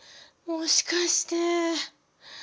もしかして。